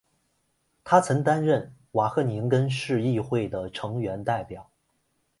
他曾担任瓦赫宁根市议会的成员代表。